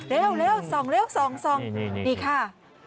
เร็ว๒นี่ค่ะ